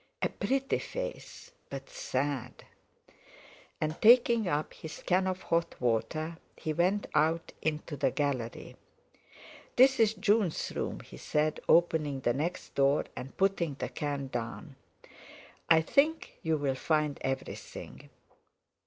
"A pretty face, but sad!" And taking up his can of hot water he went out into the gallery. "This is June's room," he said, opening the next door and putting the can down; "I think you'll find everything."